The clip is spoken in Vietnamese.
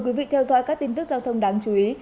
quý vị theo dõi các tin tức giao thông đáng chú ý